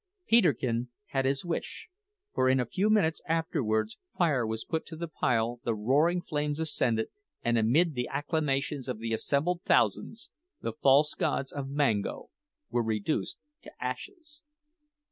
Peterkin had his wish, for in a few minutes afterwards fire was put to the pile, the roaring flames, ascended, and amid the acclamations of the assembled thousands, the false gods of Mango were reduced to ashes!